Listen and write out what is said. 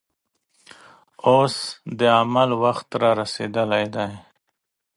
اوس د عمل وخت رارسېدلی دی.